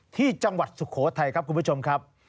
ที่จังหวัดสุโขทัยครับคุณผู้ชมครับ